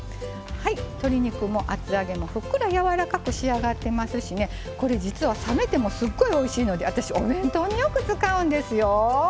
鶏肉も厚揚げもふっくらやわらかく仕上がってますしこれ、実は冷めてもすごいおいしいので私、お弁当によく使うんですよ。